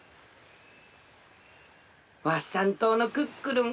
ワッサン島のクックルン